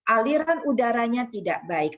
aliran udaranya tidak baik